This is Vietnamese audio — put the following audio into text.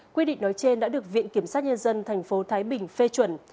quy định nói trên đã được viện kiểm sát nhân dân thành phố thái bình phê chuẩn